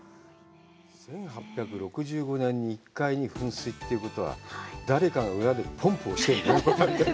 １８６５年に１階に噴水ということは、誰かが裏でポンプをしてるんだね。